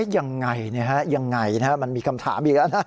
อย่างไรนะครับมันมีคำถามอีกแล้วนะ